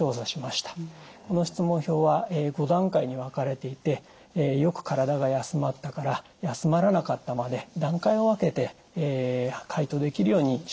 この質問票は５段階に分かれていて「よく体が休まった」から「休まらなかった」まで段階を分けて回答できるようにしております。